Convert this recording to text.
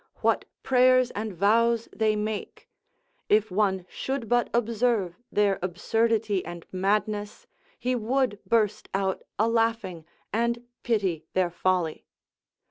what prayers and vows they make; if one should but observe their absurdity and madness, he would burst out a laughing, and pity their folly.